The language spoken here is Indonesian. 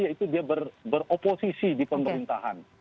yaitu dia beroposisi di pemerintahan